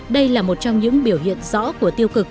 đây là một trong những biểu hiện rõ của tiêu cực